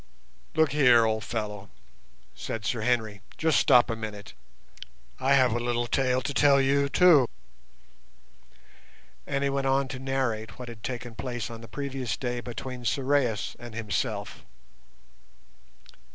"Look here, old fellow," said Sir Henry, "just stop a minute. I have a little tale to tell you too." And he went on to narrate what had taken place on the previous day between Sorais and himself.